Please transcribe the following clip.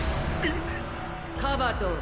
カバトン